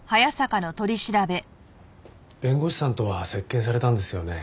弁護士さんとは接見されたんですよね？